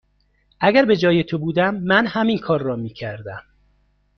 اگر به جای تو بودم، من همین کار را می کردم.